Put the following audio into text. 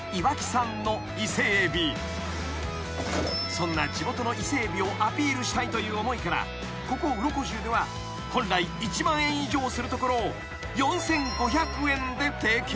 ［そんな地元の伊勢エビをアピールしたいという思いからここウロコジュウでは本来１万円以上するところを４，５００円で提供］